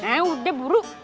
nah udah buru